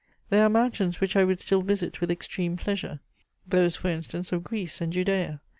"There are mountains which I would still visit with extreme pleasure: those, for instance, of Greece and Judæa.